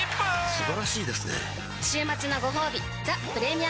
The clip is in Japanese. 素晴らしいですね